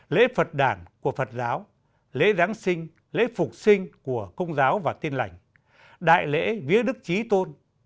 lễ phật đảng của phật giáo lễ giáng sinh lễ phục sinh của công giáo và tin lành đại lễ vía đức trí tôn